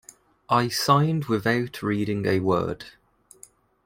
I signed without reading a word.